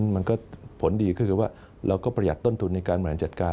มันก็ผลดีก็คือว่าเราก็ประหยัดต้นทุนในการบริหารจัดการ